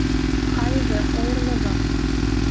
Кайыже — ойырлыжо!